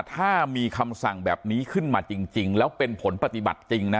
ถ้ามีคำสั่งแบบนี้ขึ้นมาจริงแล้วเป็นผลปฏิบัติจริงนะ